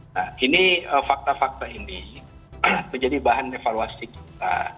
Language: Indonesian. nah ini fakta fakta ini menjadi bahan evaluasi kita